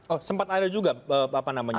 oh sempat ada juga apa namanya